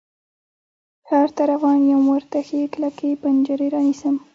ښار ته روان یم، ورته ښې کلکې پنجرې رانیسم